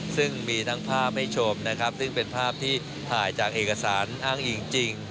ซึ่งมีทั้งภาพให้ชมนะครับซึ่งเป็นภาพที่ถ่ายจากเอกสารอ้างอิงจริง